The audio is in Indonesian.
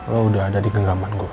lo udah ada di gegaman gue